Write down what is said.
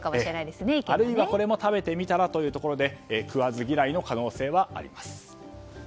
あるいはこれも食べてみたらということで食わず嫌いの可能性はあります。